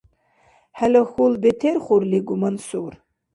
ХӀела хьул бетерхурлигу, Мансур!